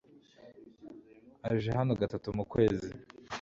aje hano gatatu mu kwezi.